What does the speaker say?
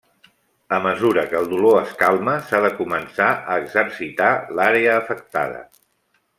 A mesura que el dolor es calma, s'ha de començar a exercitar l'àrea afectada.